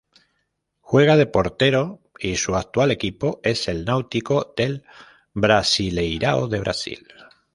Juega de portero y su actual equipo es el Náutico del Brasileirao de Brasil.